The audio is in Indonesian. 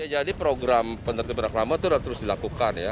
jadi program penertiban reklama itu sudah terus dilakukan ya